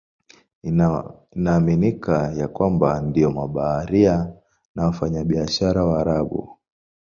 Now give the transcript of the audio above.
Inaaminika ya kwamba ndio mabaharia na wafanyabiashara Waarabu.